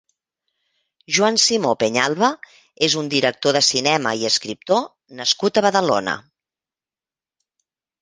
Joan Simó Peñalva és un director de cinema i escriptor nascut a Badalona.